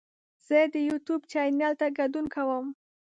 زه د یوټیوب چینل ته ګډون کوم.